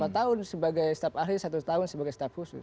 dua tahun sebagai staff ahli satu tahun sebagai staf khusus